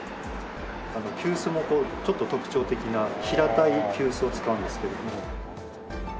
急須もこうちょっと特徴的な平たい急須を使うんですけれども。